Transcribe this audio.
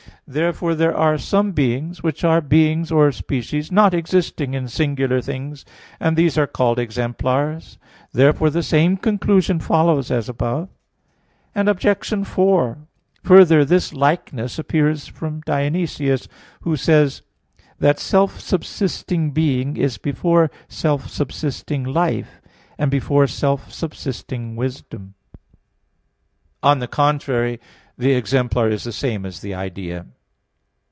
Therefore there are some beings, which are beings or species not existing in singular things, and these are called exemplars. Therefore the same conclusion follows as above. Obj. 4: Further, this likewise appears from Dionysius, who says (Div. Nom. v) that self subsisting being is before self subsisting life, and before self subsisting wisdom. On the contrary, The exemplar is the same as the idea.